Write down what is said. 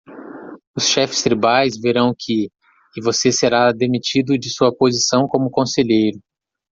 Os chefes tribais verão que? e você será demitido de sua posição como conselheiro.